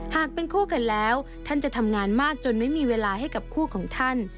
หากเป็นคู่กันแล้วท่านจะทำงานมากจนไม่มีเวลาให้กับคู่ของท่าน